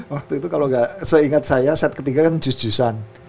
waktu itu kalau nggak seingat saya set ketiga kan jus jusan